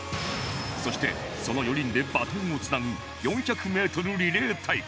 そしてその４人でバトンをつなぐ４００メートルリレー対決